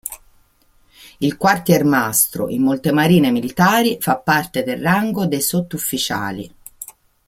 Il Quartiermastro in molte marine militari fa parte del rango dei sottufficiali.